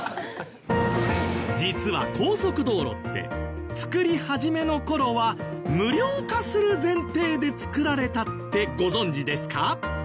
実は高速道路って造り始めの頃は無料化する前提で造られたってご存じですか？